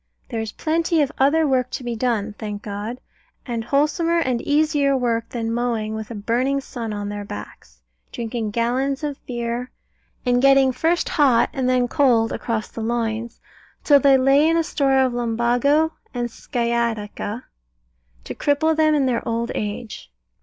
There is plenty of other work to be done, thank God; and wholesomer and easier work than mowing with a burning sun on their backs, drinking gallons of beer, and getting first hot and then cold across the loins, till they lay in a store of lumbago and sciatica, to cripple them in their old age.